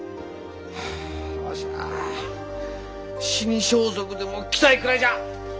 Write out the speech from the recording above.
はあわしは死に装束でも着たいくらいじゃ！